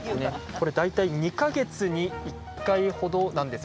これ大体２か月に１回ほどなんですよね。